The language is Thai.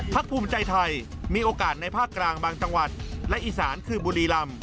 ภูมิใจไทยมีโอกาสในภาคกลางบางจังหวัดและอีสานคือบุรีลำ